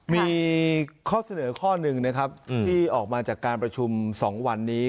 มีข้อเสนอข้อหนึ่งนะครับที่ออกมาจากการประชุม๒วันนี้